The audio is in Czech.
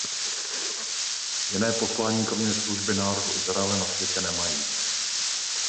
Jiné poslání kromě služby národu Izraele na světě nemají.